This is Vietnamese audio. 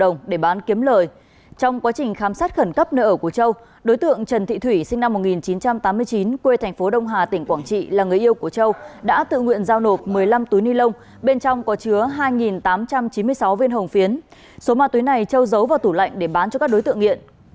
năm một nghìn chín trăm tám mươi chín quê thành phố đông hà tỉnh quảng trị là người yêu của châu đã tự nguyện giao nộp một mươi năm túi ni lông bên trong có chứa hai tám trăm chín mươi sáu viên hồng phiến số ma túi này châu giấu vào tủ lạnh để bán cho các đối tượng nghiện